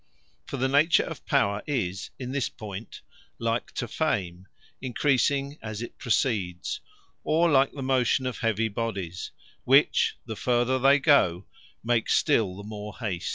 For the nature of Power, is in this point, like to Fame, increasing as it proceeds; or like the motion of heavy bodies, which the further they go, make still the more hast.